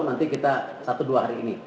nanti kita satu dua hari ini